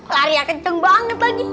lari ya kenceng banget lagi